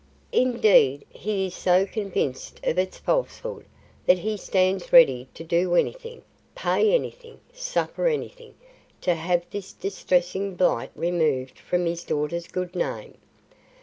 Indeed, he is so convinced of its falsehood, that he stands ready to do anything, pay anything, suffer anything, to have this distressing blight removed from his daughter's good name.